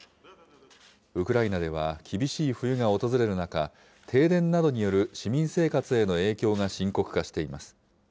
ウクライナでは厳しい冬が訪れる中、停電などによる市民生活への影響が深刻化しています。